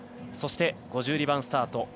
そして、５２番スタート